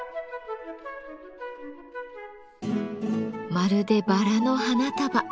まるでバラの花束。